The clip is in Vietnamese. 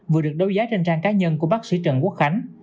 vừa được đấu giá trên trang cá nhân của bác sĩ trần quốc khánh